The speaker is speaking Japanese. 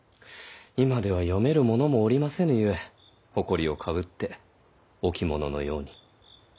今では読めるものもおりませぬゆえほこりをかぶって置物のように。